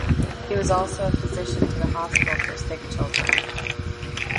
He was also a physician to the Hospital for Sick Children.